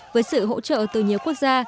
với sự hỗ trợ từ nhiều quốc gia